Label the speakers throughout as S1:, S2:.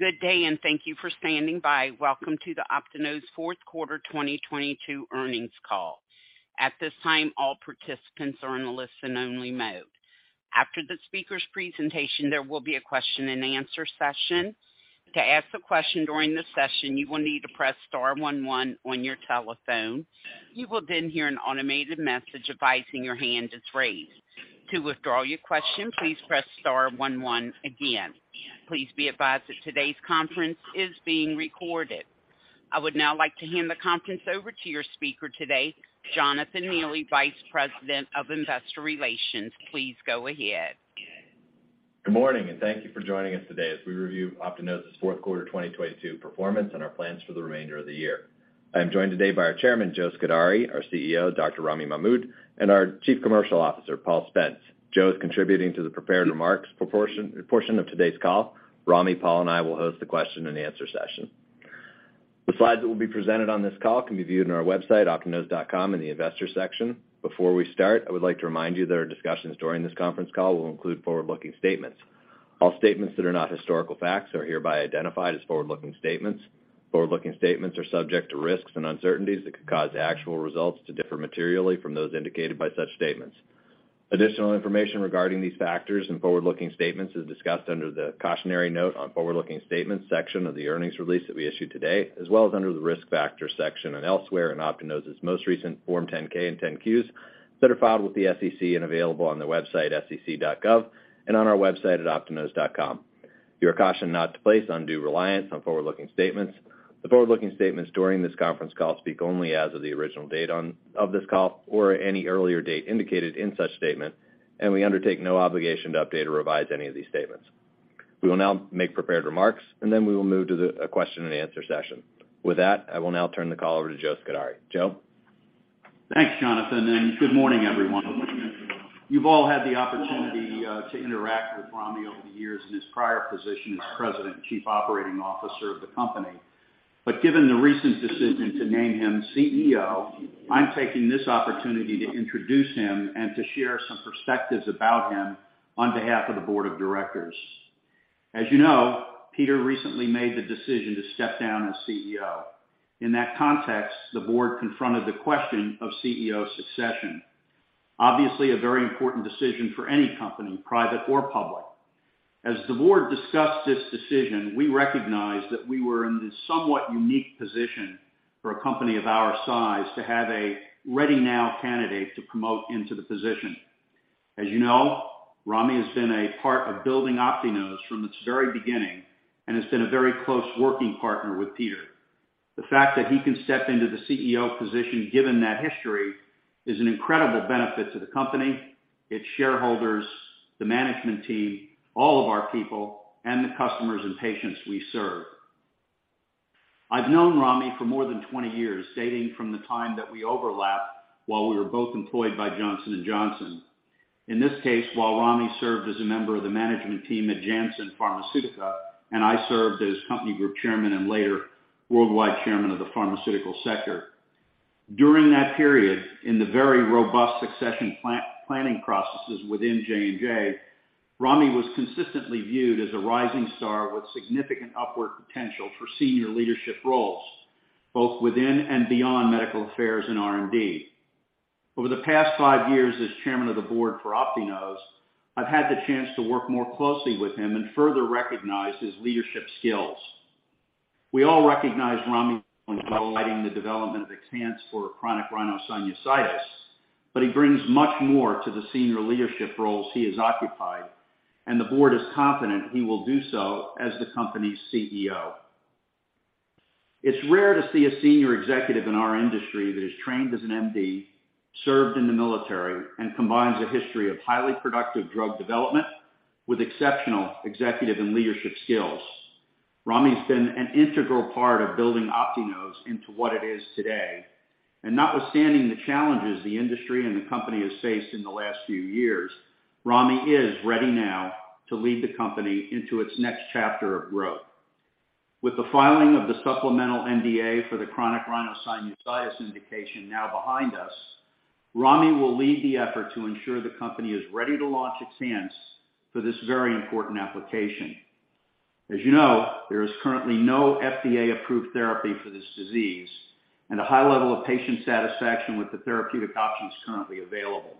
S1: Good day, and thank you for standing by. Welcome to the Optinose fourth quarter 2022 earnings call. At this time, all participants are in a listen only mode. After the speaker's presentation, there will be a question-and-answer session. To ask a question during the session, you will need to press star one one on your telephone. You will then hear an automated message advising your hand is raised. To withdraw your question, please press star one one again. Please be advised that today's conference is being recorded. I would now like to hand the conference over to your speaker today, Jonathan Neely, Vice President of Investor Relations. Please go ahead.
S2: Good morning, thank you for joining us today as we review Optinose's fourth quarter 2022 performance and our plans for the remainder of the year. I am joined today by our Chairman, Joe Scodari, our CEO, Dr. Ramy Mahmoud, and our Chief Commercial Officer, Paul Spence. Joe is contributing to the prepared remarks portion of today's call. Ramy, Paul, and I will host the question-and-answer session. The slides that will be presented on this call can be viewed on our website, optinose.com, in the investor section. Before we start, I would like to remind you that our discussions during this conference call will include forward-looking statements. All statements that are not historical facts are hereby identified as forward-looking statements. Forward-looking statements are subject to risks and uncertainties that could cause actual results to differ materially from those indicated by such statements. Additional information regarding these factors and forward-looking statements is discussed under the cautionary note on forward-looking statements section of the earnings release that we issued today, as well as under the risk factors section and elsewhere in Optinose's most recent Form 10-K and 10-Qs that are filed with the SEC and available on their website sec.gov and on our website at optinose.com. You are cautioned not to place undue reliance on forward-looking statements. The forward-looking statements during this conference call speak only as of the original date of this call or any earlier date indicated in such statement, and we undertake no obligation to update or revise any of these statements. We will now make prepared remarks, and then we will move to the question-and-answer session. With that, I will now turn the call over to Joe Scodari. Joe.
S3: Thanks, Jonathan. Good morning, everyone. You've all had the opportunity to interact with Ramy over the years in his prior position as President and Chief Operating Officer of the company. Given the recent decision to name him CEO, I'm taking this opportunity to introduce him and to share some perspectives about him on behalf of the board of directors. As you know, Peter recently made the decision to step down as CEO. In that context, the board confronted the question of CEO succession. Obviously, a very important decision for any company, private or public. As the board discussed this decision, we recognized that we were in this somewhat unique position for a company of our size to have a ready now candidate to promote into the position. As you know, Ramy has been a part of building Optinose from its very beginning and has been a very close working partner with Peter. The fact that he can step into the CEO position, given that history, is an incredible benefit to the company, its shareholders, the management team, all of our people, and the customers and patients we serve. I've known Ramy for more than 20 years, dating from the time that we overlapped while we were both employed by Johnson & Johnson. In this case, while Ramy served as a member of the management team at Janssen Pharmaceutica, and I served as company group chairman and later worldwide chairman of the pharmaceutical sector. During that period, in the very robust succession plan-planning processes within J&J, Ramy was consistently viewed as a rising star with significant upward potential for senior leadership roles, both within and beyond medical affairs and R&D. Over the past five years as chairman of the board for Optinose, I've had the chance to work more closely with him and further recognize his leadership skills. We all recognize Ramy when highlighting the development of XHANCE for chronic rhinosinusitis, but he brings much more to the senior leadership roles he has occupied, and the board is confident he will do so as the company's CEO. It's rare to see a senior executive in our industry that is trained as an MD, served in the military, and combines a history of highly productive drug development with exceptional executive and leadership skills. Ramy has been an integral part of building Optinose into what it is today. Notwithstanding the challenges the industry and the company has faced in the last few years, Ramy is ready now to lead the company into its next chapter of growth. With the filing of the supplemental NDA for the chronic rhinosinusitis indication now behind us, Ramy will lead the effort to ensure the company is ready to launch XHANCE for this very important application. As you know, there is currently no FDA-approved therapy for this disease and a high level of patient satisfaction with the therapeutic options currently available.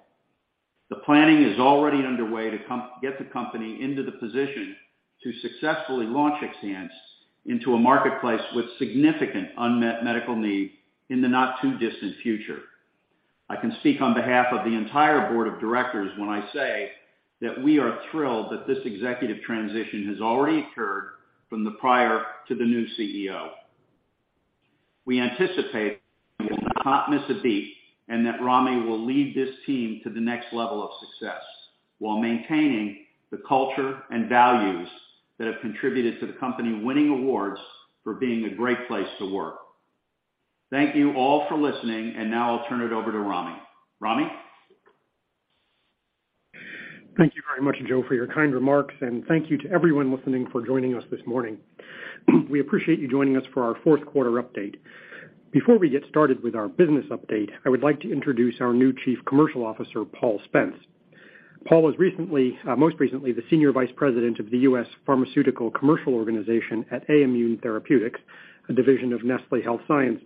S3: The planning is already underway to get the company into the position to successfully launch XHANCE into a marketplace with significant unmet medical need in the not-too-distant future. I can speak on behalf of the entire board of directors when I say that we are thrilled that this executive transition has already occurred from the prior to the new CEO. We anticipate we will not miss a beat and that Ramy will lead this team to the next level of success while maintaining the culture and values that have contributed to the company winning awards for being a great place to work. Thank you all for listening, and now I'll turn it over to Ramy. Ramy?
S4: Thank you very much, Joe, for your kind remarks, and thank you to everyone listening for joining us this morning. We appreciate you joining us for our fourth quarter update. Before we get started with our business update, I would like to introduce our new Chief Commercial Officer, Paul Spence. Paul was recently, most recently the Senior Vice President of the U.S. Pharmaceutical Commercial Organization at Aimmune Therapeutics, a division of Nestlé Health Science,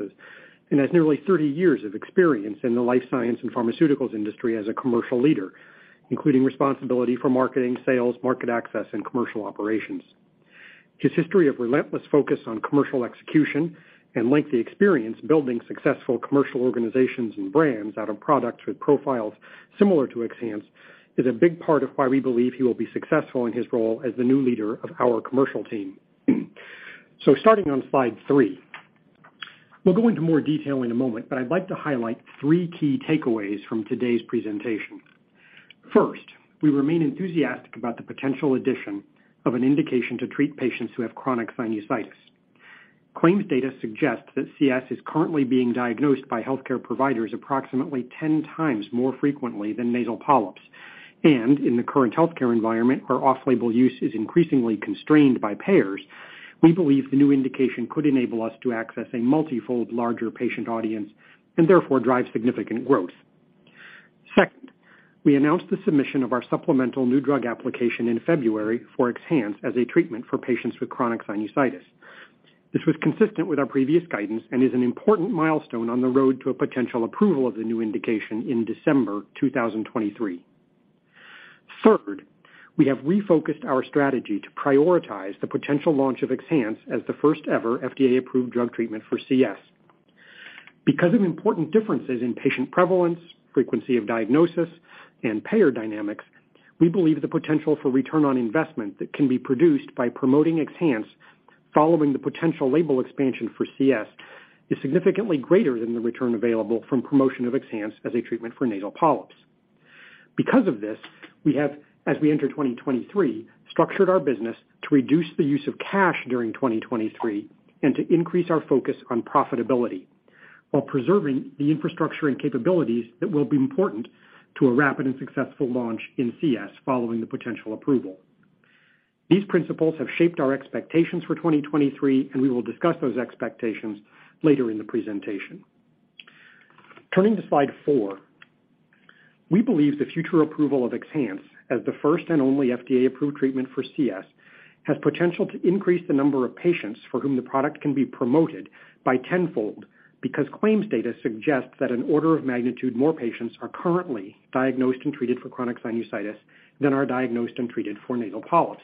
S4: and has nearly 30 years of experience in the life science and pharmaceuticals industry as a commercial leader, including responsibility for marketing, sales, market access, and commercial operations. His history of relentless focus on commercial execution and lengthy experience building successful commercial organizations and brands out of products with profiles similar to XHANCE is a big part of why we believe he will be successful in his role as the new leader of our commercial team. Starting on slide three. We'll go into more detail in a moment, but I'd like to highlight three key takeaways from today's presentation. First, we remain enthusiastic about the potential addition of an indication to treat patients who have chronic sinusitis. Claims data suggests that CS is currently being diagnosed by healthcare providers approximately 10x more frequently than nasal polyps. In the current healthcare environment, where off-label use is increasingly constrained by payers, we believe the new indication could enable us to access a multi-fold larger patient audience and therefore drive significant growth. Second, we announced the submission of our supplemental New Drug Application in February for XHANCE as a treatment for patients with chronic sinusitis. This was consistent with our previous guidance and is an important milestone on the road to a potential approval of the new indication in December 2023. Third, we have refocused our strategy to prioritize the potential launch of XHANCE as the first ever FDA-approved drug treatment for CS, because of important differences in patient prevalence, frequency of diagnosis, and payer dynamics, we believe the potential for return on investment that can be produced by promoting XHANCE following the potential label expansion for CS is significantly greater than the return available from promotion of XHANCE as a treatment for nasal polyps. Because of this, we have, as we enter 2023, structured our business to reduce the use of cash during 2023 and to increase our focus on profitability while preserving the infrastructure and capabilities that will be important to a rapid and successful launch in CS following the potential approval. These principles have shaped our expectations for 2023, and we will discuss those expectations later in the presentation. Turning to slide four. We believe the future approval of XHANCE as the first and only FDA-approved treatment for CS has potential to increase the number of patients for whom the product can be promoted by tenfold because claims data suggests that an order of magnitude more patients are currently diagnosed and treated for chronic sinusitis than are diagnosed and treated for nasal polyps.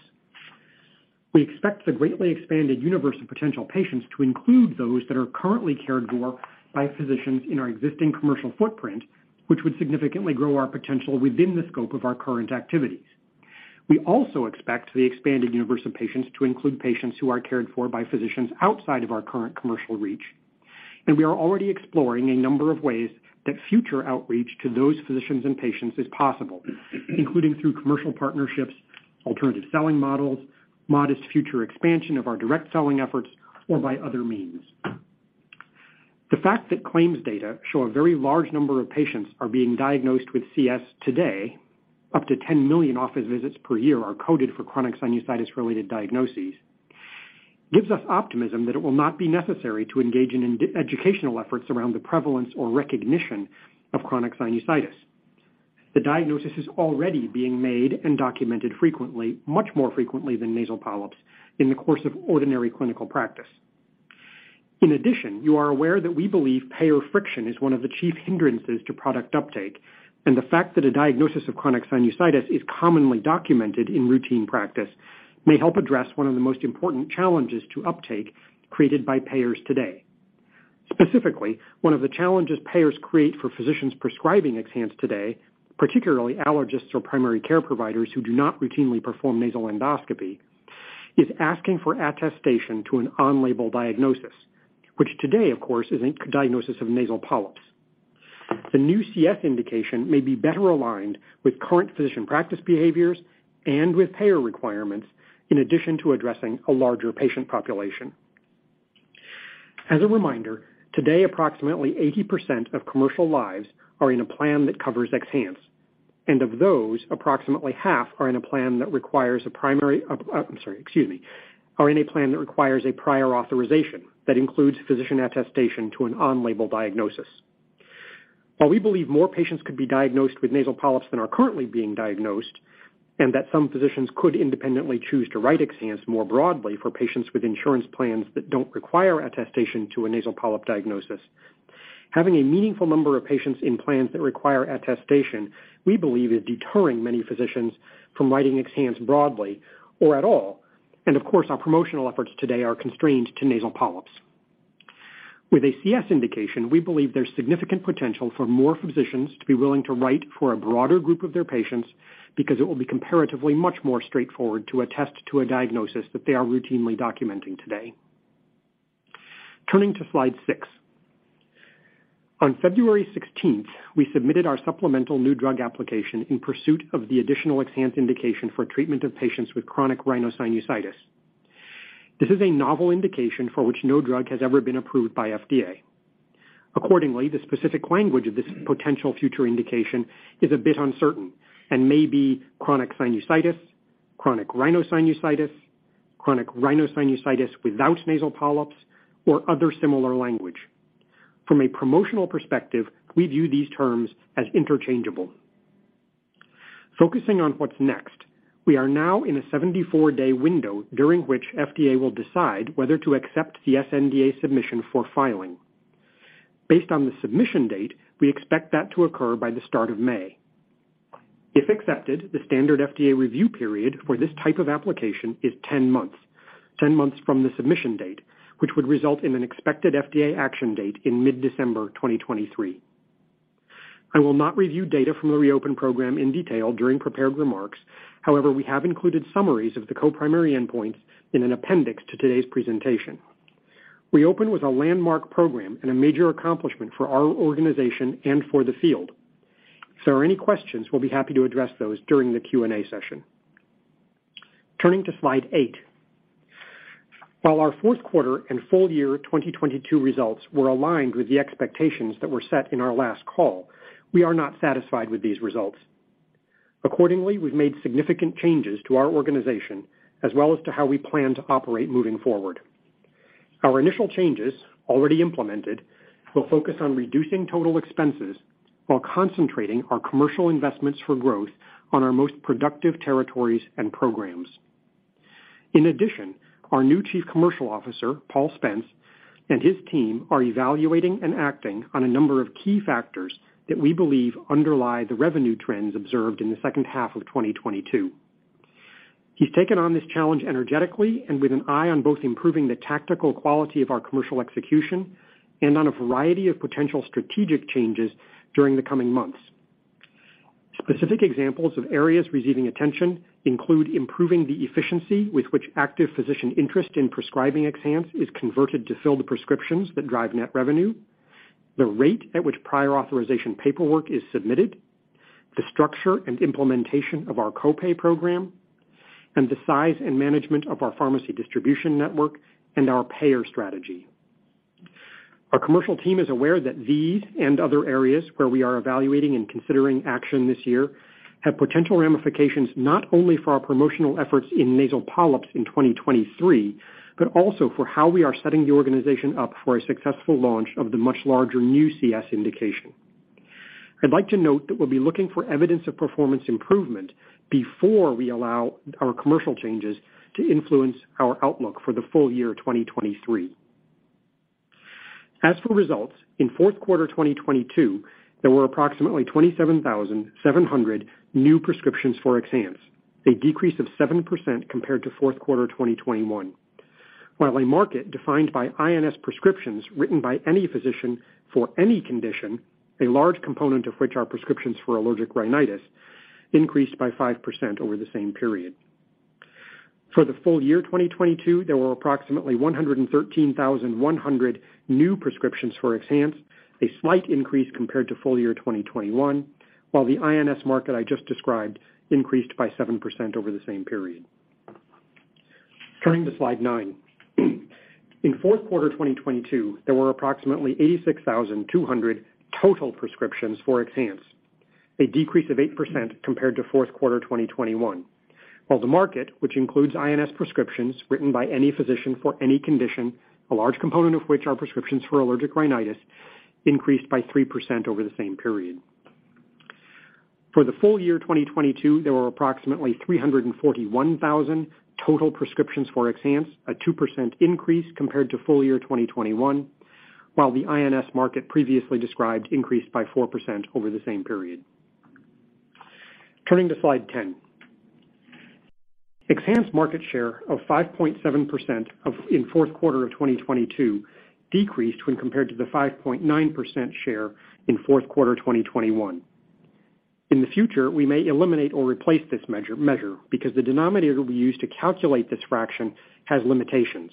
S4: We expect the greatly expanded universe of potential patients to include those that are currently cared for by physicians in our existing commercial footprint, which would significantly grow our potential within the scope of our current activities. We also expect the expanded universe of patients to include patients who are cared for by physicians outside of our current commercial reach, and we are already exploring a number of ways that future outreach to those physicians and patients is possible, including through commercial partnerships, alternative selling models, modest future expansion of our direct selling efforts, or by other means. The fact that claims data show a very large number of patients are being diagnosed with CS today, up to 10 million office visits per year are coded for chronic sinusitis-related diagnoses, gives us optimism that it will not be necessary to engage in educational efforts around the prevalence or recognition of chronic sinusitis. The diagnosis is already being made and documented much more frequently than nasal polyps in the course of ordinary clinical practice. In addition, you are aware that we believe payer friction is one of the chief hindrances to product uptake, and the fact that a diagnosis of chronic sinusitis is commonly documented in routine practice may help address one of the most important challenges to uptake created by payers today. Specifically, one of the challenges payers create for physicians prescribing XHANCE today, particularly allergists or primary care providers who do not routinely perform nasal endoscopy, is asking for attestation to an on-label diagnosis, which today, of course, is a diagnosis of nasal polyps. The new CS indication may be better aligned with current physician practice behaviors and with payer requirements, in addition to addressing a larger patient population. As a reminder, today approximately 80% of commercial lives are in a plan that covers XHANCE, and of those, approximately half are in a plan that requires a prior authorization that includes physician attestation to an on-label diagnosis. While we believe more patients could be diagnosed with nasal polyps than are currently being diagnosed, and that some physicians could independently choose to write XHANCE more broadly for patients with insurance plans that don't require attestation to a nasal polyp diagnosis, having a meaningful number of patients in plans that require attestation, we believe, is deterring many physicians from writing XHANCE broadly or at all. Of course, our promotional efforts today are constrained to nasal polyps. With a CS indication, we believe there's significant potential for more physicians to be willing to write for a broader group of their patients because it will be comparatively much more straightforward to attest to a diagnosis that they are routinely documenting today. Turning to slide six. On February 16th, we submitted our supplemental New Drug Application in pursuit of the additional XHANCE indication for treatment of patients with chronic rhinosinusitis. This is a novel indication for which no drug has ever been approved by FDA. Accordingly, the specific language of this potential future indication is a bit uncertain and may be chronic sinusitis, chronic rhinosinusitis, chronic rhinosinusitis without nasal polyps, or other similar language. From a promotional perspective, we view these terms as interchangeable. Focusing on what's next, we are now in a 74-day window during which FDA will decide whether to accept the sNDA submission for filing. Based on the submission date, we expect that to occur by the start of May. If accepted, the standard FDA review period for this type of application is 10 months. 10 months from the submission date, which would result in an expected FDA action date in mid-December 2023. I will not review data from the REOPEN program in detail during prepared remarks. However, we have included summaries of the co-primary endpoints in an appendix to today's presentation. REOPEN was a landmark program and a major accomplishment for our organization and for the field. If there are any questions, we'll be happy to address those during the Q&A session. Turning to slide eight. While our fourth quarter and full year 2022 results were aligned with the expectations that were set in our last call, we are not satisfied with these results. Accordingly, we've made significant changes to our organization as well as to how we plan to operate moving forward. Our initial changes, already implemented, will focus on reducing total expenses while concentrating our commercial investments for growth on our most productive territories and programs. In addition, our new chief commercial officer, Paul Spence, and his team are evaluating and acting on a number of key factors that we believe underlie the revenue trends observed in the second half of 2022. He's taken on this challenge energetically and with an eye on both improving the tactical quality of our commercial execution and on a variety of potential strategic changes during the coming months. Specific examples of areas receiving attention include improving the efficiency with which active physician interest in prescribing XHANCE is converted to fill the prescriptions that drive net revenue, the rate at which prior authorization paperwork is submitted, the structure and implementation of our co-pay program, and the size and management of our pharmacy distribution network and our payer strategy. Our commercial team is aware that these and other areas where we are evaluating and considering action this year have potential Ramyfications not only for our promotional efforts in nasal polyps in 2023, but also for how we are setting the organization up for a successful launch of the much larger new CS indication. I'd like to note that we'll be looking for evidence of performance improvement before we allow our commercial changes to influence our outlook for the full year 2023. As for results, in fourth quarter 2022, there were approximately 27,700 new prescriptions for XHANCE, a decrease of 7% compared to fourth quarter 2021. While a market defined by INS prescriptions written by any physician for any condition, a large component of which are prescriptions for allergic rhinitis, increased by 5% over the same period. For the full year 2022, there were approximately 113,100 new prescriptions for XHANCE, a slight increase compared to full year 2021, while the INS market I just described increased by 7% over the same period. Turning to slide nine. In fourth quarter 2022, there were approximately 86,200 total prescriptions for XHANCE, a decrease of 8% compared to fourth quarter 2021. While the market, which includes INS prescriptions written by any physician for any condition, a large component of which are prescriptions for allergic rhinitis, increased by 3% over the same period. For the full year 2022, there were approximately 341,000 total prescriptions for XHANCE, a 2% increase compared to full year 2021, while the INS market previously described increased by 4% over the same period. Turning to slide 10. XHANCE market share of 5.7% in fourth quarter of 2022 decreased when compared to the 5.9% share in fourth quarter 2021. In the future, we may eliminate or replace this measure because the denominator we use to calculate this fraction has limitations.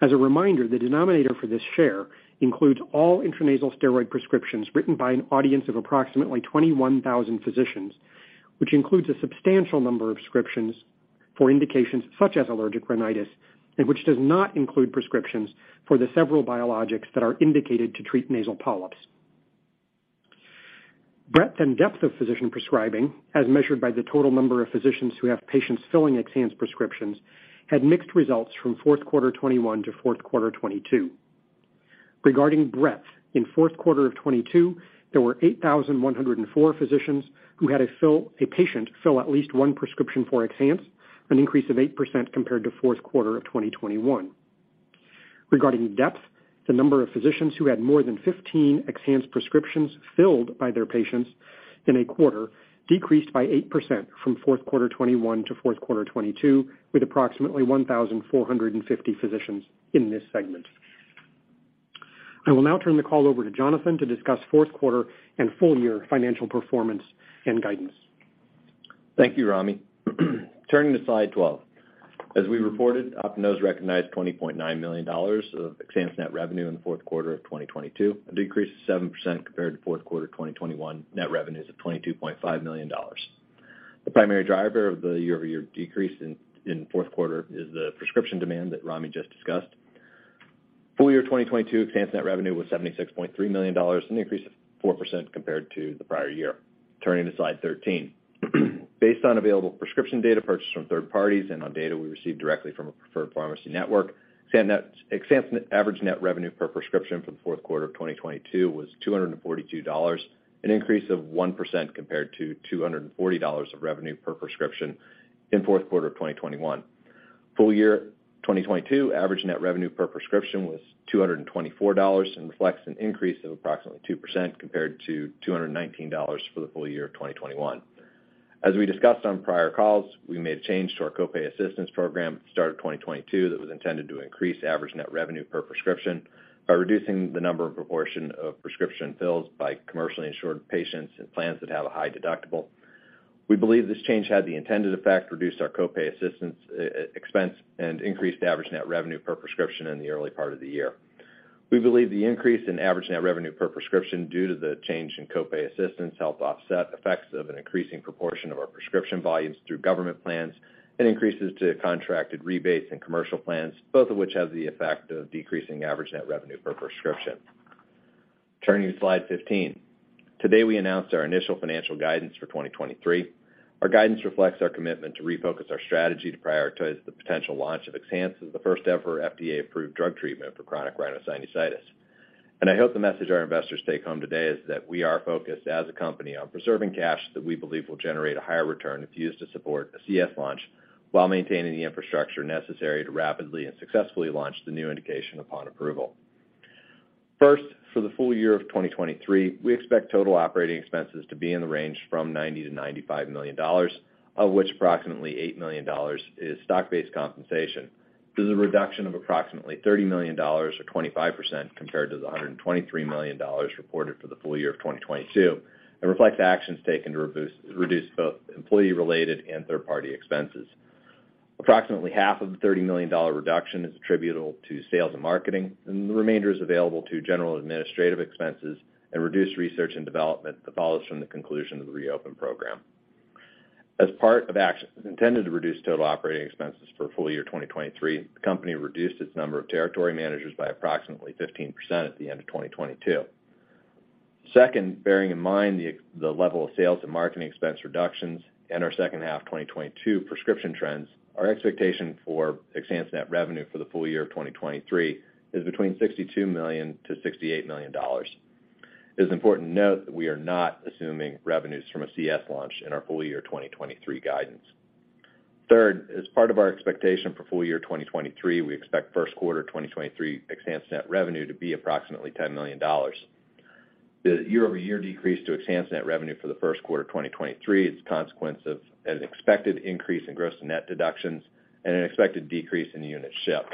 S4: As a reminder, the denominator for this share includes all intranasal steroid prescriptions written by an audience of approximately 21,000 physicians, which includes a substantial number of prescriptions for indications such as allergic rhinitis, and which does not include prescriptions for the several biologics that are indicated to treat nasal polyps. Breadth and depth of physician prescribing, as measured by the total number of physicians who have patients filling XHANCE prescriptions, had mixed results from fourth quarter 2021 to fourth quarter 2022. Regarding breadth, in fourth quarter of 2022, there were 8,104 physicians who had a patient fill at least one prescription for XHANCE, an increase of 8% compared to fourth quarter of 2021. Regarding depth, the number of physicians who had more than 15 XHANCE prescriptions filled by their patients in a quarter decreased by 8% from fourth quarter 2021 to fourth quarter 2022, with approximately 1,450 physicians in this segment. I will now turn the call over to Jonathan to discuss fourth quarter and full year financial performance and guidance.
S2: Thank you, Ramy. Turning to slide 12. As we reported, Optinose recognized $20.9 million of XHANCE net revenue in the fourth quarter of 2022, a decrease of 7% compared to fourth quarter 2021 net revenues of $22.5 million. The primary driver of the year-over-year decrease in fourth quarter is the prescription demand that Ramy just discussed. Full year 2022 XHANCE net revenue was $76.3 million, an increase of 4% compared to the prior year. Turning to slide 13. Based on available prescription data purchased from third parties and on data we received directly from a preferred pharmacy network, XHANCE average net revenue per prescription for the fourth quarter of 2022 was $242, an increase of 1% compared to $240 of revenue per prescription in fourth quarter of 2021. Full year 2022, average net revenue per prescription was $224 and reflects an increase of approximately 2% compared to $219 for the full year of 2021. As we discussed on prior calls, we made a change to our co-pay assistance program at the start of 2022 that was intended to increase average net revenue per prescription by reducing the number and proportion of prescription fills by commercially insured patients and plans that have a high deductible. We believe this change had the intended effect, reduced our co-pay assistance expense and increased average net revenue per prescription in the early part of the year. We believe the increase in average net revenue per prescription due to the change in co-pay assistance helped offset effects of an increasing proportion of our prescription volumes through government plans and increases to contracted rebates and commercial plans, both of which have the effect of decreasing average net revenue per prescription. Turning to slide 15. Today, we announced our initial financial guidance for 2023. Our guidance reflects our commitment to refocus our strategy to prioritize the potential launch of XHANCE as the first-ever FDA-approved drug treatment for chronic rhinosinusitis. I hope the message our investors take home today is that we are focused as a company on preserving cash that we believe will generate a higher return if used to support a CS launch while maintaining the infrastructure necessary to rapidly and successfully launch the new indication upon approval. First, for the full year 2023, we expect total operating expenses to be in the range from $90 million-$95 million, of which approximately $8 million is stock-based compensation. This is a reduction of approximately $30 million or 25% compared to the $123 million reported for the full year 2022 and reflects actions taken to reduce both employee-related and third-party expenses. Approximately half of the $30 million reduction is attributable to sales and marketing, and the remainder is available to general administrative expenses and reduced research and development that follows from the conclusion of the REOPEN program. As part of actions intended to reduce total operating expenses for full year 2023, the company reduced its number of territory managers by approximately 15% at the end of 2022. Second, bearing in mind the level of sales and marketing expense reductions and our second half 2022 prescription trends, our expectation for XHANCE net revenue for the full year 2023 is between $62 million-$68 million. It is important to note that we are not assuming revenues from a CS launch in our full year 2023 guidance. Third, as part of our expectation for full year 2023, we expect first quarter 2023 XHANCE net revenue to be approximately $10 million. The year-over-year decrease to XHANCE net revenue for the first quarter 2023 is a consequence of an expected increase in gross and net deductions and an expected decrease in the units shipped.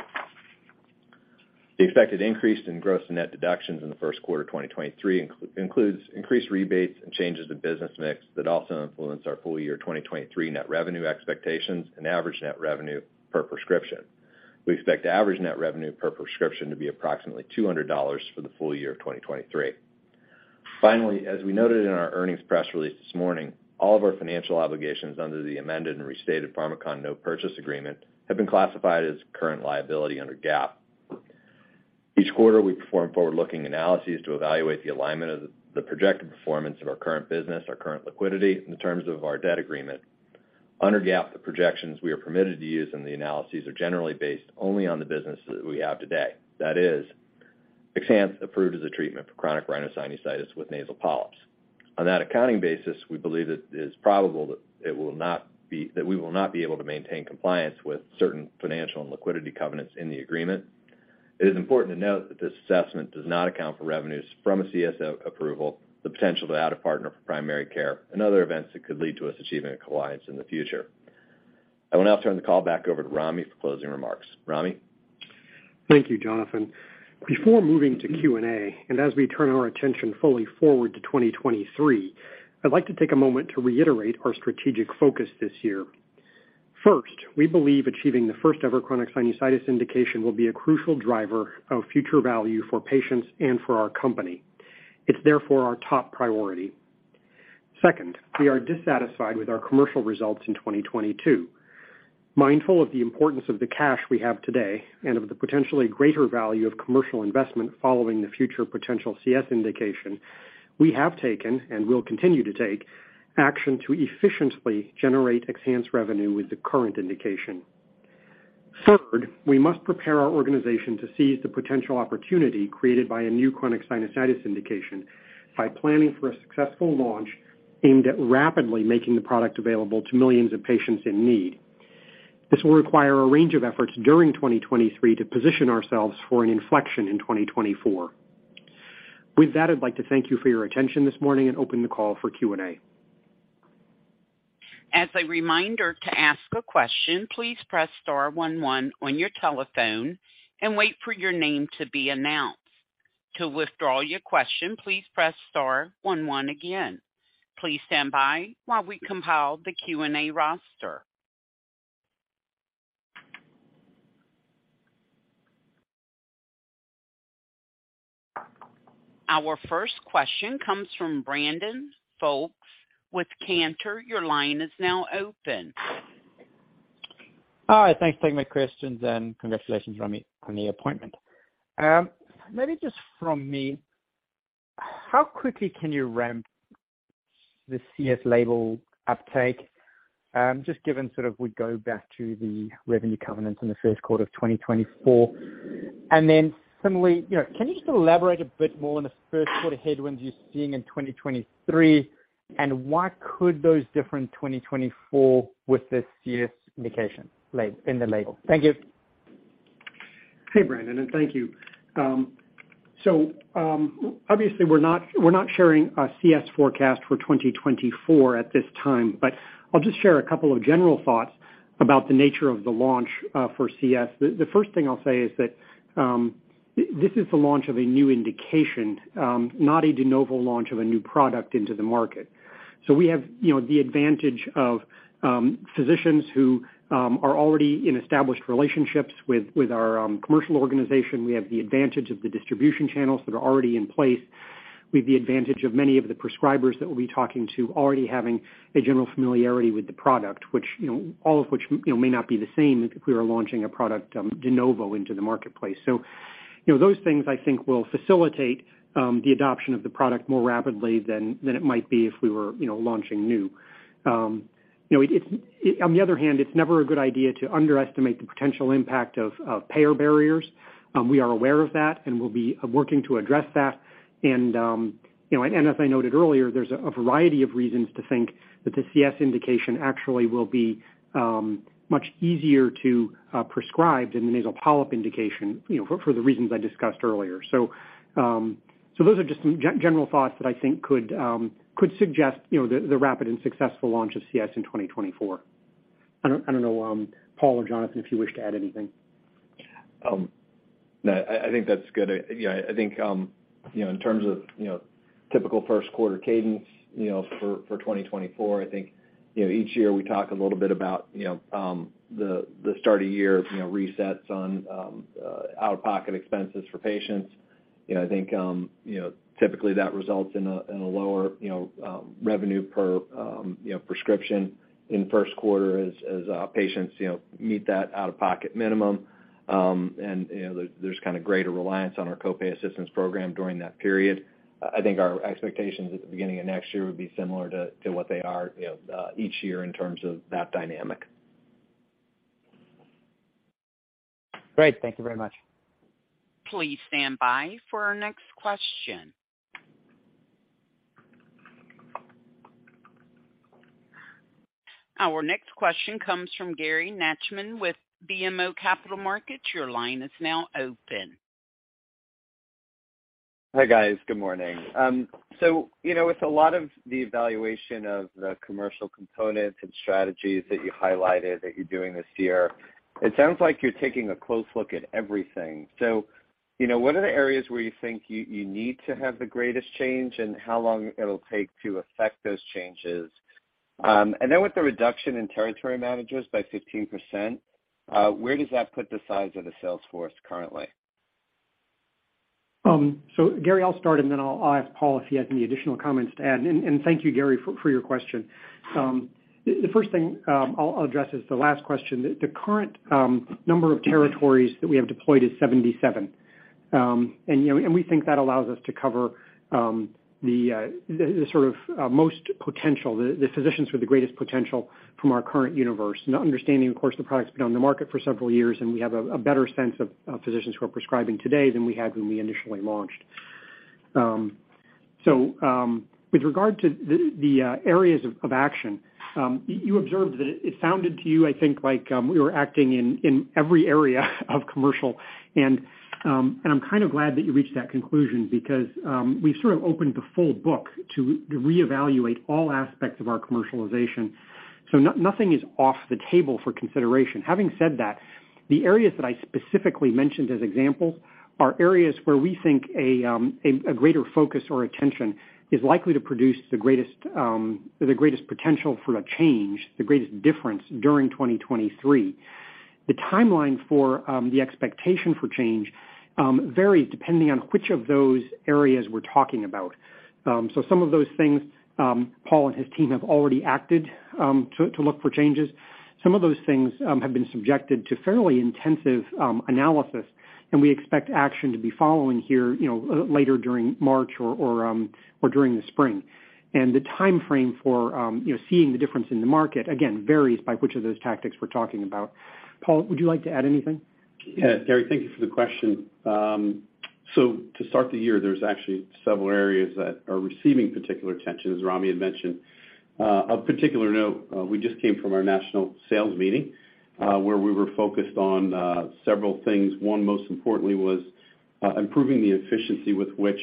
S2: The expected increase in gross and net deductions in the first quarter 2023 includes increased rebates and changes to business mix that also influence our full year 2023 net revenue expectations and average net revenue per prescription. We expect average net revenue per prescription to be approximately $200 for the full year of 2023. Finally, as we noted in our earnings press release this morning, all of our financial obligations under the amended and restated Pharmakon Note Purchase Agreement have been classified as current liability under GAAP. Each quarter, we perform forward-looking analyses to evaluate the alignment of the projected performance of our current business, our current liquidity, and the terms of our debt agreement. Under GAAP, the projections we are permitted to use in the analyses are generally based only on the business that we have today. That is, XHANCE approved as a treatment for chronic rhinosinusitis with nasal polyps. On that accounting basis, we believe it is probable that we will not be able to maintain compliance with certain financial and liquidity covenants in the agreement. It is important to note that this assessment does not account for revenues from a CSO approval, the potential to add a partner for primary care and other events that could lead to us achieving a compliance in the future. I will now turn the call back over to Ramy for closing remarks. Ramy?
S4: Thank you, Jonathan. Before moving to Q&A, and as we turn our attention fully forward to 2023, I'd like to take a moment to reiterate our strategic focus this year. First, we believe achieving the first-ever chronic sinusitis indication will be a crucial driver of future value for patients and for our company. It's therefore our top priority. Second, we are dissatisfied with our commercial results in 2022. Mindful of the importance of the cash we have today and of the potentially greater value of commercial investment following the future potential CS indication, we have taken and will continue to take action to efficiently generate XHANCE revenue with the current indication. Third, we must prepare our organization to seize the potential opportunity created by a new chronic sinusitis indication by planning for a successful launch aimed at rapidly making the product available to millions of patients in need. This will require a range of efforts during 2023 to position ourselves for an inflection in 2024. With that, I'd like to thank you for your attention this morning and open the call for Q&A.
S1: As a reminder, to ask a question, please press star one one on your telephone and wait for your name to be announced. To withdraw your question, please press star one one again. Please stand by while we compile the Q&A roster. Our first question comes from Brandon Folkes with Cantor. Your line is now open.
S5: Hi. Thanks for taking my questions, and congratulations, Ramy on the appointment. Maybe just from me, how quickly can you ramp the CS label uptake, just given sort of we go back to the revenue covenants in the first quarter of 2024. Then similarly, you know, can you just elaborate a bit more on the first quarter headwinds you're seeing in 2023, and why could those different 2024 with this CS indication in the label? Thank you.
S4: Hey, Brandon, and thank you. Obviously we're not, we're not sharing a CS forecast for 2024 at this time, but I'll just share a couple of general thoughts about the nature of the launch for CS. The first thing I'll say is that this is the launch of a new indication, not a de novo launch of a new product into the market. We have, you know, the advantage of physicians who are already in established relationships with our commercial organization. We have the advantage of the distribution channels that are already in place. We have the advantage of many of the prescribers that we'll be talking to already having a general familiarity with the product, which, you know, all of which may not be the same if we were launching a product de novo into the marketplace. Those things I think will facilitate the adoption of the product more rapidly than it might be if we were, you know, launching new. You know, it's on the other hand, it's never a good idea to underestimate the potential impact of payer barriers. We are aware of that, and we'll be working to address that. You know, and as I noted earlier, there's a variety of reasons to think that the CS indication actually will be much easier to prescribe than the nasal polyp indication, you know, for the reasons I discussed earlier. Those are just some general thoughts that I think could suggest, you know, the rapid and successful launch of CS in 2024. I don't know, Paul or Jonathan, if you wish to add anything.
S6: No, I think that's good. Yeah, I think, you know, in terms of, you know, typical first quarter cadence, you know, for 2024, I think, you know, each year we talk a little bit about, you know, the start of year, you know, resets on out-of-pocket expenses for patients. You know, I think, you know, typically that results in a lower, you know, revenue per, you know, prescription in first quarter as patients, you know, meet that out-of-pocket minimum. You know, there's kind of greater reliance on our co-pay assistance program during that period. I think our expectations at the beginning of next year would be similar to what they are, you know, each year in terms of that dynamic.
S5: Great. Thank you very much.
S1: Please stand by for our next question. Our next question comes from Gary Nachman with BMO Capital Markets. Your line is now open.
S7: Hi, guys. Good morning. You know, with a lot of the evaluation of the commercial components and strategies that you highlighted that you're doing this year, it sounds like you're taking a close look at everything. You know, what are the areas where you think you need to have the greatest change, and how long it'll take to affect those changes? With the reduction in territory managers by 15%, where does that put the size of the sales force currently?
S4: Gary, I'll start, and then I'll ask Paul if he has any additional comments to add. Thank you, Gary, for your question. The first thing I'll address is the last question. The current number of territories that we have deployed is 77. You know, we think that allows us to cover the sort of most potential, the physicians with the greatest potential from our current universe. Now understanding, of course, the product's been on the market for several years, and we have a better sense of physicians who are prescribing today than we had when we initially launched. With regard to the areas of action, you observed that it sounded to you, I think, like, we were acting in every area of commercial. I'm kind of glad that you reached that conclusion because we've sort of opened the full book to reevaluate all aspects of our commercialization. Nothing is off the table for consideration. Having said that, the areas that I specifically mentioned as examples are areas where we think a greater focus or attention is likely to produce the greatest, the greatest potential for a change, the greatest difference during 2023. The timeline for the expectation for change varies depending on which of those areas we're talking about. So some of those things, Paul and his team have already acted to look for changes. Some of those things have been subjected to fairly intensive analysis, and we expect action to be following here, you know, later during March or during the spring. The timeframe for, you know, seeing the difference in the market, again, varies by which of those tactics we're talking about. Paul, would you like to add anything?
S6: Yeah. Gary, thank you for the question. To start the year, there's actually several areas that are receiving particular attention, as Ramy had mentioned. Of particular note, we just came from our national sales meeting, where we were focused on several things. One, most importantly, was improving the efficiency with which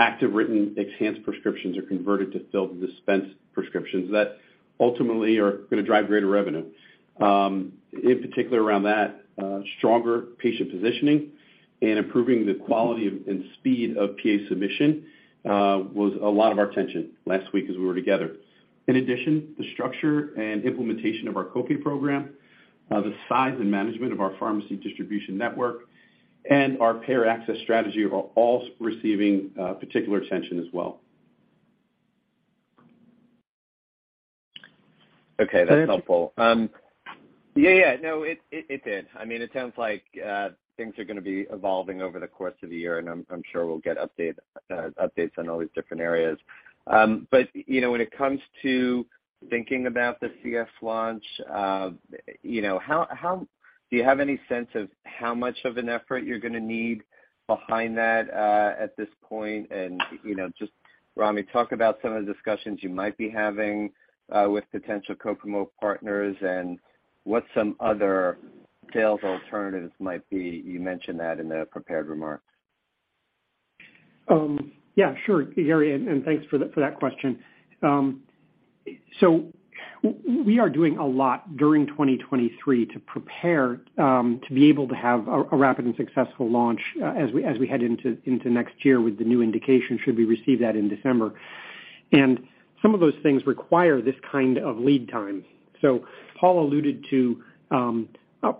S6: active written XHANCE prescriptions are converted to filled dispensed prescriptions that ultimately are gonna drive greater revenue. In particular around that, stronger patient positioning and improving the quality and speed of PA submission, was a lot of our attention last week as we were together. In addition, the structure and implementation of our co-pay program, the size and management of our pharmacy distribution network, and our payer access strategy are all receiving particular attention as well.
S7: That's helpful. Yeah, yeah. No, it did. I mean, it sounds like things are gonna be evolving over the course of the year, and I'm sure we'll get updates on all these different areas. But, you know, when it comes to thinking about the CF launch, you know, do you have any sense of how much of an effort you're gonna need behind that at this point? You know, just, Ramy, talk about some of the discussions you might be having with potential co-promote partners and what some other sales alternatives might be. You mentioned that in the prepared remarks.
S4: Yeah, sure, Gary, and thanks for that question. We are doing a lot during 2023 to prepare to be able to have a rapid and successful launch as we head into next year with the new indication should we receive that in December. Some of those things require this kind of lead time. Paul alluded to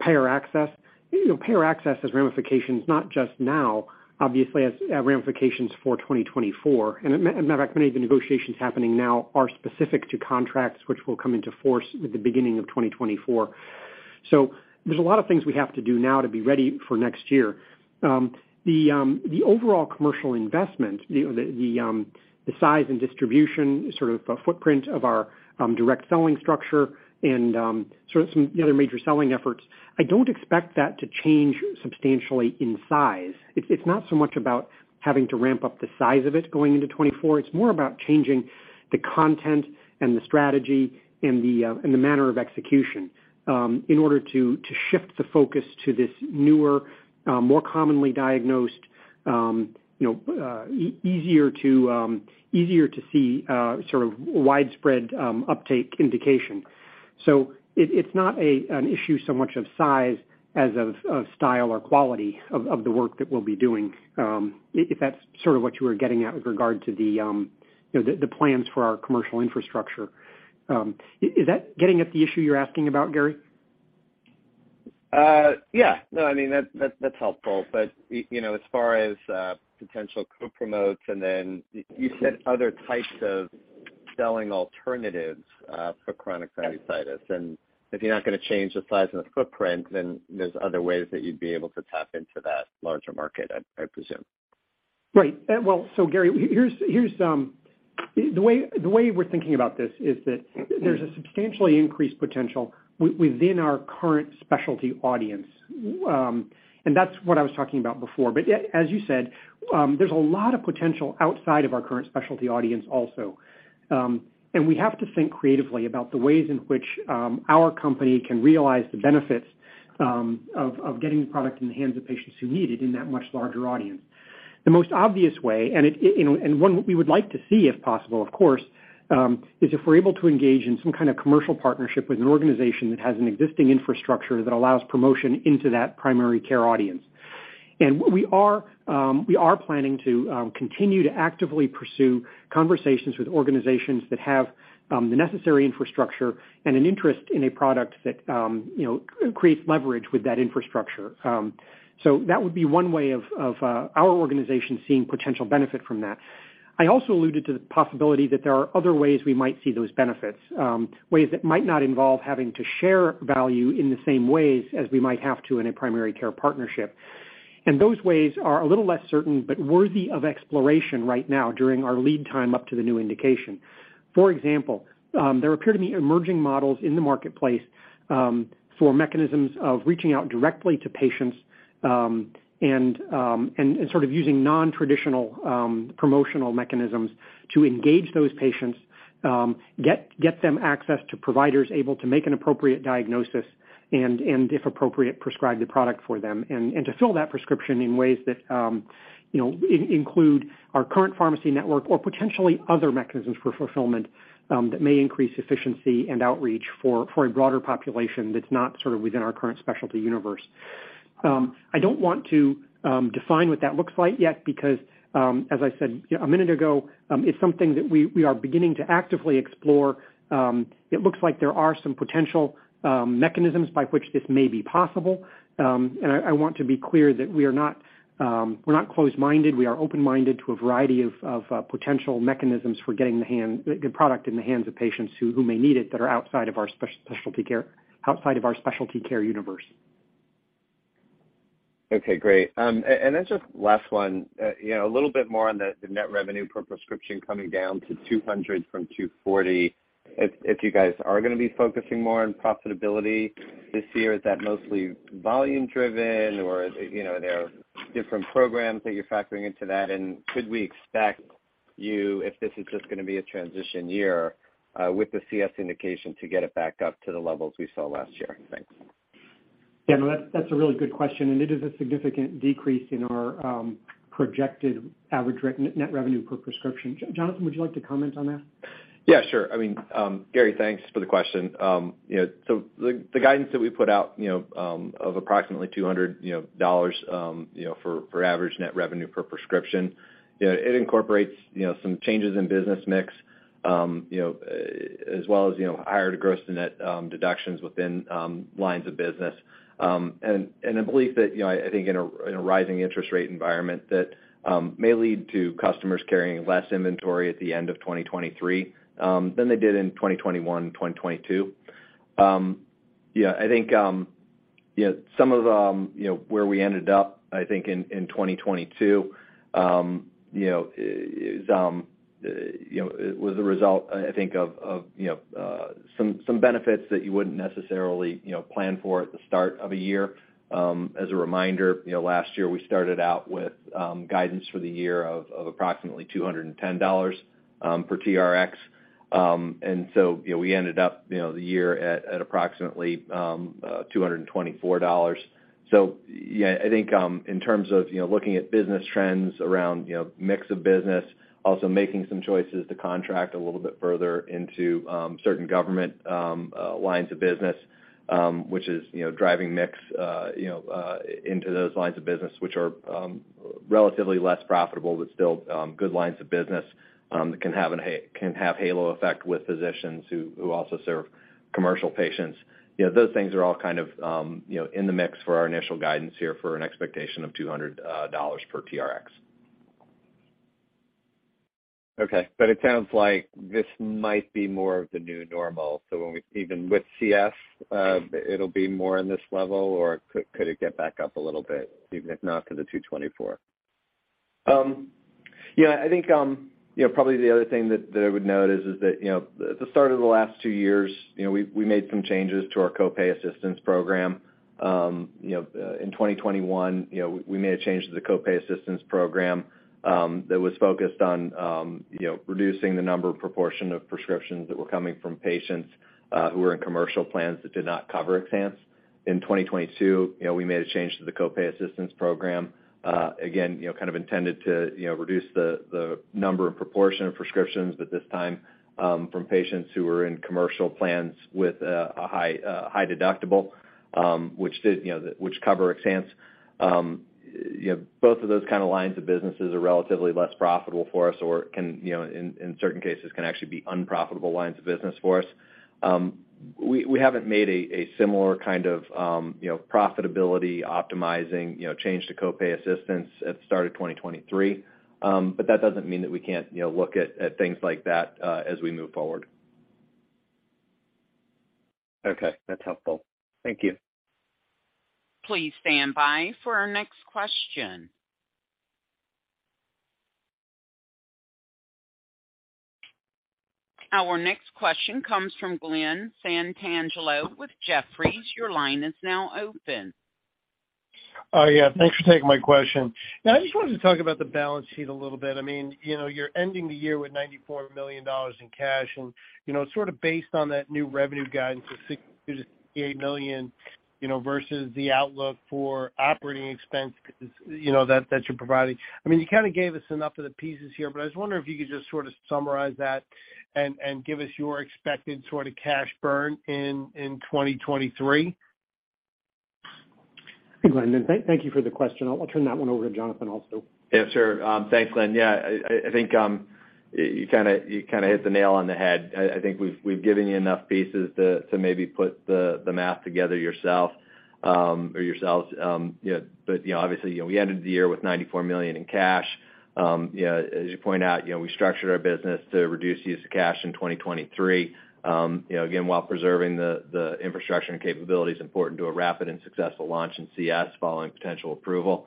S4: payer access. You know, payer access has ramifications not just now, obviously as ramifications for 2024. Matter of fact, many of the negotiations happening now are specific to contracts which will come into force at the beginning of 2024. There's a lot of things we have to do now to be ready for next year. The overall commercial investment, you know, the size and distribution, sort of a footprint of our direct selling structure and sort of some other major selling efforts, I don't expect that to change substantially in size. It's not so much about having to ramp up the size of it going into 2024. It's more about changing the content and the strategy and the manner of execution in order to shift the focus to this newer, more commonly diagnosed, you know, easier to see, sort of widespread uptake indication. It's not an issue so much of size as of style or quality of the work that we'll be doing, if that's sort of what you were getting at with regard to the, you know, the plans for our commercial infrastructure. Is that getting at the issue you're asking about, Gary?
S7: Yeah. No, I mean, that's helpful. You know, as far as potential co-promotes, and then you said other types of selling alternatives for chronic sinusitis. If you're not gonna change the size and the footprint, then there's other ways that you'd be able to tap into that larger market, I presume.
S4: Right. Well, Gary, here's the way we're thinking about this is that there's a substantially increased potential within our current specialty audience, and that's what I was talking about before. As you said, there's a lot of potential outside of our current specialty audience also. We have to think creatively about the ways in which, our company can realize the benefits of getting the product in the hands of patients who need it in that much larger audience. The most obvious way, one we would like to see if possible, of course, is if we're able to engage in some kind of commercial partnership with an organization that has an existing infrastructure that allows promotion into that primary care audience. We are planning to continue to actively pursue conversations with organizations that have the necessary infrastructure and an interest in a product that, you know, creates leverage with that infrastructure. That would be one way of our organization seeing potential benefit from that. I also alluded to the possibility that there are other ways we might see those benefits, ways that might not involve having to share value in the same ways as we might have to in a primary care partnership. Those ways are a little less certain, but worthy of exploration right now during our lead time up to the new indication. For example, there appear to be emerging models in the marketplace, for mechanisms of reaching out directly to patients, and sort of using non-traditional promotional mechanisms to engage those patients, get them access to providers able to make an appropriate diagnosis and if appropriate, prescribe the product for them. To fill that prescription in ways that, you know, include our current pharmacy network or potentially other mechanisms for fulfillment, that may increase efficiency and outreach for a broader population that's not sort of within our current specialty universe. I don't want to define what that looks like yet because, as I said, you know, a minute ago, it's something that we are beginning to actively explore. It looks like there are some potential mechanisms by which this may be possible. I want to be clear that we are not, we're not closed-minded. We are open-minded to a variety of potential mechanisms for getting the product in the hands of patients who may need it, that are outside of our specialty care, outside of our specialty care universe.
S7: Okay, great. Then just last one. You know, a little bit more on the net revenue per prescription coming down to $200 from $240. If you guys are gonna be focusing more on profitability this year, is that mostly volume driven or, you know, there are different programs that you're factoring into that? Could we expect you, if this is just gonna be a transition year, with the CF indication to get it back up to the levels we saw last year? Thanks.
S4: No, that's a really good question, and it is a significant decrease in our projected average net revenue per prescription. Jonathan, would you like to comment on that?
S2: Yeah, sure. I mean, Gary, thanks for the question. You know, the guidance that we put out, you know, of approximately $200, you know, for average net revenue per prescription, you know, it incorporates, you know, some changes in business mix, you know, as well as, you know, higher gross to net deductions within lines of business. I believe that, you know, I think in a rising interest rate environment that may lead to customers carrying less inventory at the end of 2023 than they did in 2021, 2022. Yeah, I think, yeah, some of, you know, where we ended up, I think in 2022, you know, is, you know, it was a result, I think of, you know, some benefits that you wouldn't necessarily, you know, plan for at the start of a year. As a reminder, you know, last year, we started out with, guidance for the year of approximately $210, per TRx. So, you know, we ended up, you know, the year at approximately, $224. Yeah, I think, in terms of, you know, looking at business trends around, you know, mix of business, also making some choices to contract a little bit further into certain government lines of business, which is, you know, driving mix, you know, into those lines of business, which are relatively less profitable but still good lines of business, that can have a halo effect with physicians who also serve commercial patients. You know, those things are all kind of, you know, in the mix for our initial guidance here for an expectation of $200 per TRx.
S7: Okay. It sounds like this might be more of the new normal, even with CS, it'll be more in this level or could it get back up a little bit, even if not to the 224?
S2: Yeah, I think, you know, probably the other thing that I would note is that, you know, at the start of the last two years, you know, we made some changes to our co-pay assistance program. You know, in 2021, you know, we made a change to the co-pay assistance program that was focused on, you know, reducing the number of proportion of prescriptions that were coming from patients who were in commercial plans that did not cover XHANCE. In 2022, you know, we made a change to the co-pay assistance program again, you know, kind of intended to, you know, reduce the number and proportion of prescriptions, but this time from patients who were in commercial plans with a high deductible, which cover XHANCE. You know, both of those kind of lines of businesses are relatively less profitable for us or can, you know, in certain cases, can actually be unprofitable lines of business for us. We haven't made a similar kind of, you know, profitability, optimizing, you know, change to co-pay assistance at the start of 2023. That doesn't mean that we can't, you know, look at things like that, as we move forward.
S7: Okay, that's helpful. Thank you.
S1: Please stand by for our next question. Our next question comes from Glen Santangelo with Jefferies. Your line is now open.
S8: Yeah. Thanks for taking my question. Now, I just wanted to talk about the balance sheet a little bit. I mean, you know, you're ending the year with $94 million in cash, and, you know, sort of based on that new revenue guidance of $6 million-$8 million, you know, versus the outlook for operating expense, you know, that you're providing. I mean, you kinda gave us enough of the pieces here, but I was wondering if you could just sort of summarize that and give us your expected sort of cash burn in 2023.
S4: Hey, Glen. Thank you for the question. I'll turn that one over to Jonathan also.
S2: Yeah, sure. Thanks, Glen. Yeah, I think you kinda hit the nail on the head. I think we've given you enough pieces to maybe put the math together yourself or yourselves. Yeah, but, you know, obviously, you know, we ended the year with $94 million in cash. You know, as you point out, you know, we structured our business to reduce the use of cash in 2023, you know, again, while preserving the infrastructure and capabilities important to a rapid and successful launch in CS following potential approval.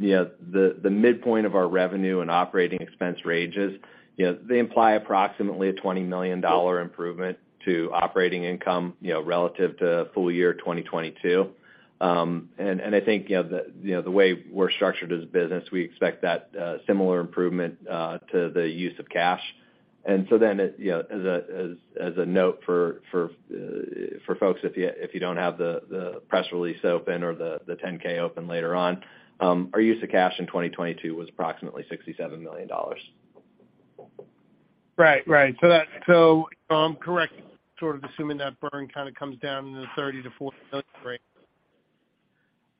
S2: You know, the midpoint of our revenue and operating expense ranges, you know, they imply approximately a $20 million improvement to operating income, you know, relative to full year 2022. I think, you know, the way we're structured as a business, we expect that similar improvement to the use of cash. You know, as a note for folks, if you don't have the press release open or the 10-K open later on, our use of cash in 2022 was approximately $67 million.
S8: Right. Right. If I'm correct, sort of assuming that burn kind of comes down to the $30 million-$40 million range.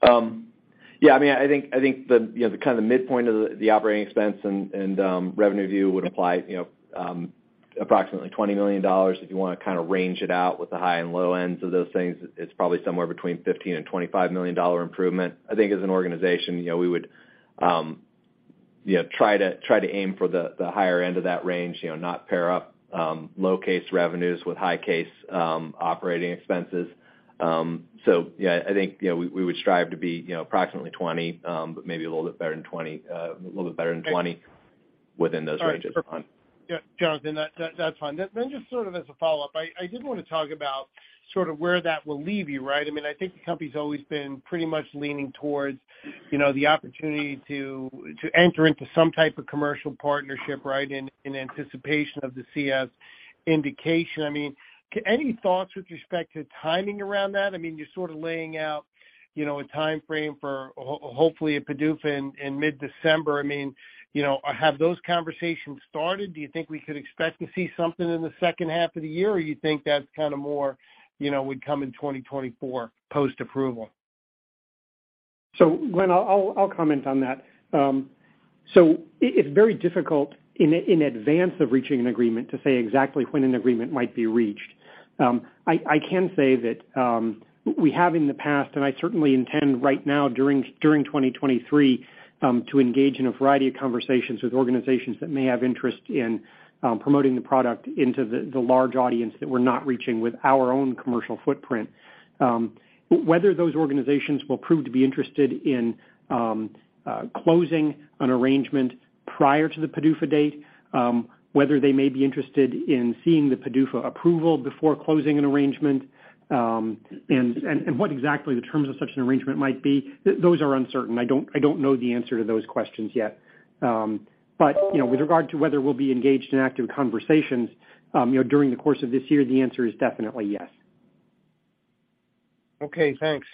S2: Yeah, I mean, I think, I think the, you know, the kinda the midpoint of the operating expense and revenue view would apply, you know, approximately $20 million if you wanna kinda range it out with the high and low ends of those things. It's probably somewhere between $15 million-$25 million improvement. I think as an organization, you know, we would, you know, try to, try to aim for the higher end of that range, you know, not pair up low case revenues with high case operating expenses. Yeah, I think, you know, we would strive to be, you know, approximately 20, but maybe a little bit better than 20, a little bit better than 20 within those ranges.
S8: All right. Yeah, Jonathan, that's fine. Just sort of as a follow-up, I did want to talk about sort of where that will leave you, right? I mean, I think the company's always been pretty much leaning towards, you know, the opportunity to enter into some type of commercial partnership, right, in anticipation of the CS indication. I mean, any thoughts with respect to timing around that? I mean, you're sort of laying out, you know, a timeframe for hopefully a PDUFA in mid-December. I mean, you know, have those conversations started? Do you think we could expect to see something in the second half of the year? You think that's kind of more, you know, would come in 2024 post-approval?
S4: Glen, I'll comment on that. It's very difficult in advance of reaching an agreement to say exactly when an agreement might be reached. I can say that we have in the past, and I certainly intend right now during 2023, to engage in a variety of conversations with organizations that may have interest in promoting the product into the large audience that we're not reaching with our own commercial footprint. Whether those organizations will prove to be interested in closing an arrangement prior to the PDUFA date, whether they may be interested in seeing the PDUFA approval before closing an arrangement, and what exactly the terms of such an arrangement might be, those are uncertain. I don't know the answer to those questions yet. You know, with regard to whether we'll be engaged in active conversations, you know, during the course of this year, the answer is definitely yes.
S8: Okay, thanks.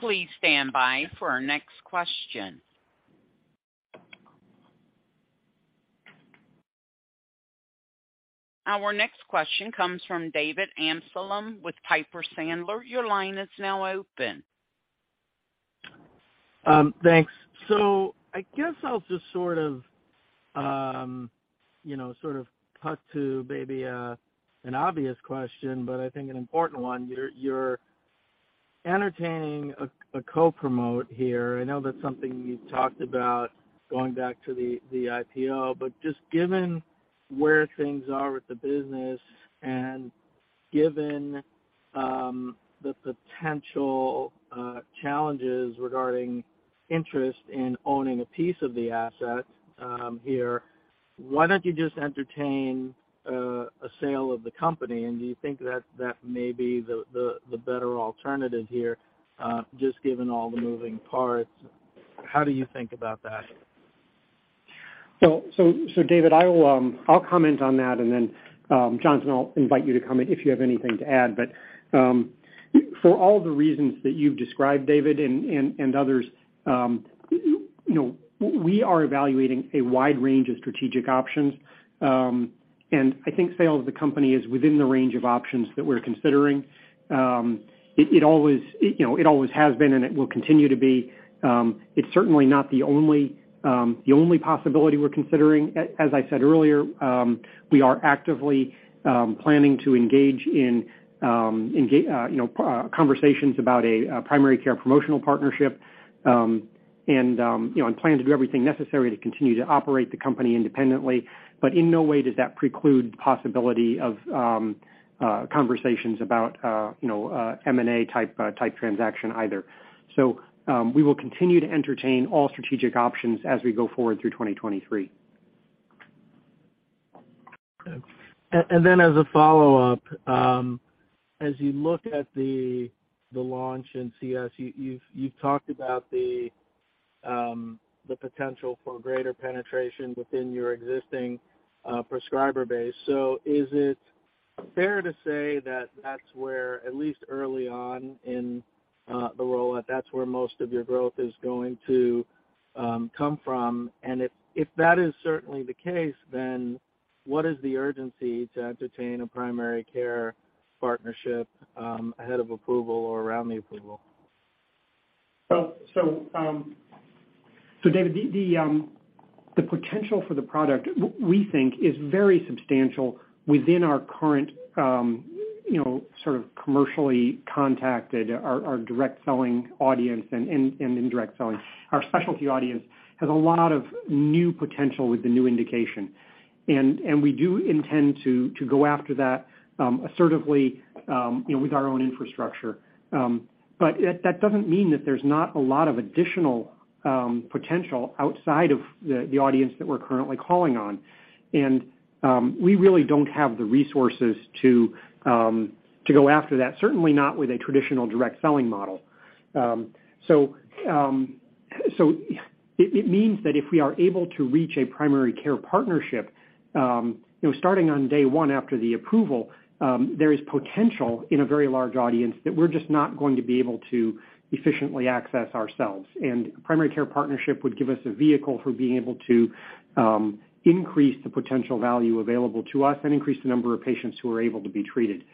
S1: Please stand by for our next question. Our next question comes from David Amsellem with Piper Sandler. Your line is now open.
S9: Thanks. I guess I'll just sort of, you know, cut to maybe an obvious question, but I think an important one. You're entertaining a co-promote here. I know that's something you talked about going back to the IPO. Just given where things are with the business and given the potential challenges regarding interest in owning a piece of the asset here, why don't you just entertain a sale of the company? Do you think that may be the better alternative here, just given all the moving parts? How do you think about that?
S4: David, I will I'll comment on that, and then Jonathan, I'll invite you to comment if you have anything to add. For all the reasons that you've described, David and others, you know, we are evaluating a wide range of strategic options. I think sale of the company is within the range of options that we're considering. It always You know, it always has been, and it will continue to be. It's certainly not the only possibility we're considering. As I said earlier, we are actively planning to engage in you know, conversations about a primary care promotional partnership. You know, plan to do everything necessary to continue to operate the company independently. In no way does that preclude the possibility of conversations about, you know, M&A type transaction either. We will continue to entertain all strategic options as we go forward through 2023.
S9: Okay. As a follow-up, as you look at the launch in CS, you've talked about the potential for greater penetration within your existing prescriber base. Is it fair to say that that's where, at least early on in the rollout, that's where most of your growth is going to come from? If that is certainly the case, then what is the urgency to entertain a primary care partnership ahead of approval or around the approval?
S4: David, the potential for the product, we think is very substantial within our current, you know, sort of commercially contacted, our direct selling audience and indirect selling. Our specialty audience has a lot of new potential with the new indication. We do intend to go after that, assertively, you know, with our own infrastructure. That doesn't mean that there's not a lot of additional potential outside of the audience that we're currently calling on. We really don't have the resources to go after that. Certainly not with a traditional direct selling model. It means that if we are able to reach a primary care partnership, you know, starting on day one after the approval, there is potential in a very large audience that we're just not going to be able to efficiently access ourselves. Primary care partnership would give us a vehicle for being able to increase the potential value available to us and increase the number of patients who are able to be treated.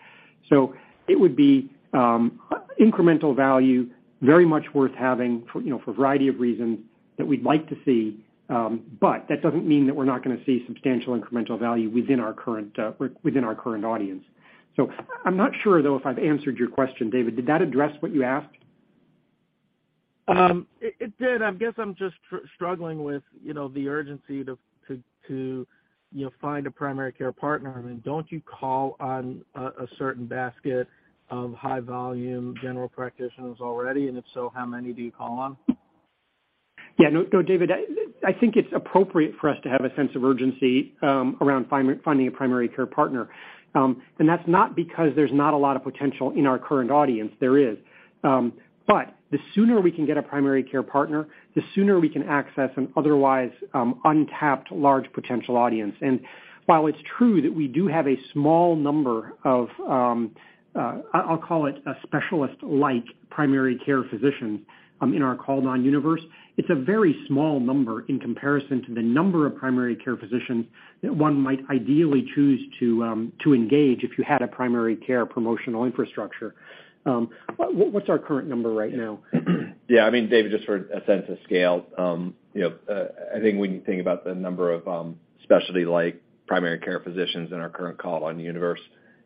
S4: It would be incremental value, very much worth having for, you know, for a variety of reasons that we'd like to see. That doesn't mean that we're not gonna see substantial incremental value within our current, within our current audience. I'm not sure though if I've answered your question, David. Did that address what you asked?
S9: It did. I guess I'm just struggling with, you know, the urgency to, you know, find a primary care partner. I mean, don't you call on a certain basket of high volume general practitioners already? If so, how many do you call on?
S4: No, no, David, I think it's appropriate for us to have a sense of urgency around finding a primary care partner. That's not because there's not a lot of potential in our current audience. There is. The sooner we can get a primary care partner, the sooner we can access an otherwise untapped large potential audience. While it's true that we do have a small number of, I'll call it a specialist-like primary care physician, in our called on universe, it's a very small number in comparison to the number of primary care physicians that one might ideally choose to engage if you had a primary care promotional infrastructure. What's our current number right now?
S2: I mean, David, just for a sense of scale, you know, I think when you think about the number of specialty-like primary care physicians in our current call on universe,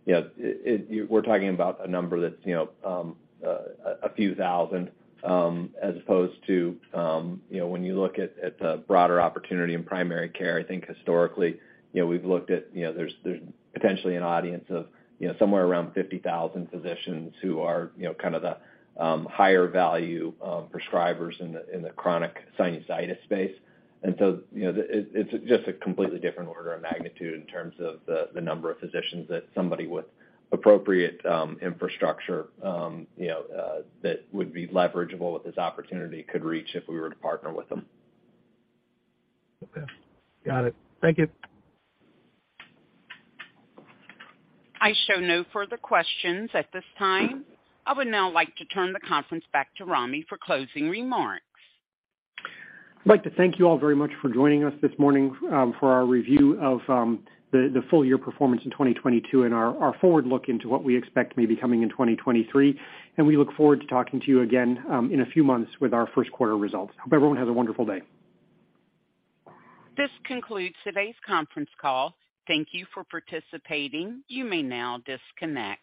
S2: you know, we're talking about a number that's, you know, a few thousand, as opposed to, you know, when you look at the broader opportunity in primary care, I think historically, you know, we've looked at, you know, there's potentially an audience of, you know, somewhere around 50,000 physicians who are, you know, kind of the higher value prescribers in the chronic sinusitis space. You know, it's just a completely different order of magnitude in terms of the number of physicians that somebody with appropriate infrastructure, you know, that would be leverageable with this opportunity could reach if we were to partner with them.
S9: Okay. Got it. Thank you.
S1: I show no further questions at this time. I would now like to turn the conference back to Ramy for closing remarks.
S4: I'd like to thank you all very much for joining us this morning, for our review of the full year performance in 2022 and our forward look into what we expect may be coming in 2023. We look forward to talking to you again in a few months with our first quarter results. Hope everyone has a wonderful day.
S1: This concludes today's conference call. Thank you for participating. You may now disconnect.